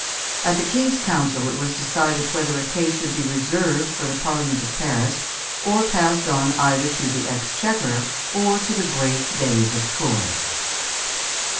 At the King's council (Fig. 304) it was decided whether a case should be reserved for the Parliament of Paris, or passed on either to the exchequer or to the Great Days of Troyes.